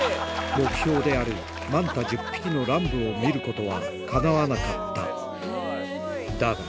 目標であるマンタ１０匹の乱舞を見ることはかなわなかっ